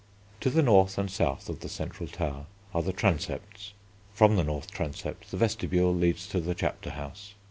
To the north and south of the Central Tower are the Transepts. From the North Transept the Vestibule leads to the Chapter House.